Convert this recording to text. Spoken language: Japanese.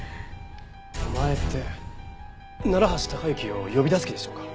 お前って楢橋高行を呼び出す気でしょうか？